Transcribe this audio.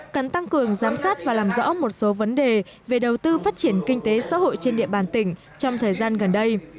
cần tăng cường giám sát và làm rõ một số vấn đề về đầu tư phát triển kinh tế xã hội trên địa bàn tỉnh trong thời gian gần đây